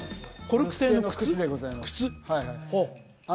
コルク製の靴でございます